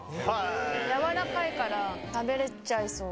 やわらかいから食べれちゃいそう。